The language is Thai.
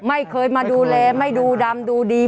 ไม่เคยมาดูแลไม่ดูดำดูดี